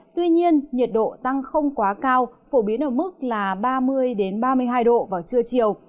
tuy nhiên nhiệt độ tăng không quá cao phổ biến ở mức là ba mươi ba mươi hai độ vào trưa chiều